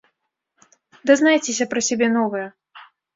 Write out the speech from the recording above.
Дазнайцеся пра сябе новае!